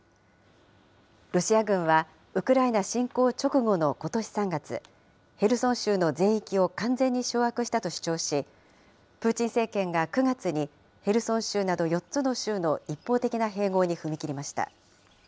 ロシア軍は、ウクライナ侵攻直後のことし３月、ヘルソン州の全域を完全に掌握したと主張し、プーチン政権が９月に、ヘルソン州など４つの州の一方的な併合に踏み切りました。